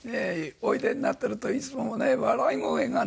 おいでになっているといつもね笑い声がね